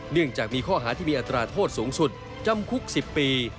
เนื่องจากมีข้อหาที่มีอัตราโทษสูงสุดจำคุก๑๐ปี